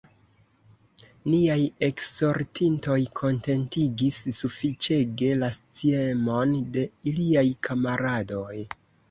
Niaj eskortintoj kontentigis sufiĉege la sciemon de iliaj kamaradoj.